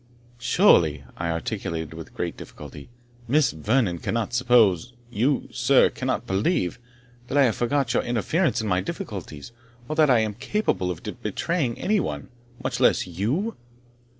"Surely," I articulated with great difficulty "Miss Vernon cannot suppose you, sir, cannot believe, that I have forgot your interference in my difficulties, or that I am capable of betraying any one, much less you?"